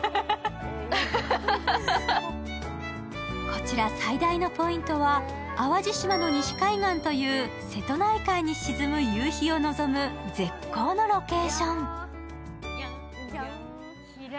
こちら最大のポイントは、淡路島の西海岸という瀬戸内海に沈む夕日を望む絶好のロケーション。